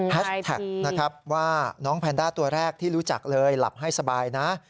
แท็กนะครับว่าน้องแพนด้าตัวแรกที่รู้จักเลยหลับให้สบายนะ